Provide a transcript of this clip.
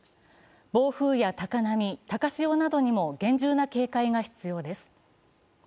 防風や高波、高潮などにも厳重な警戒が必要です。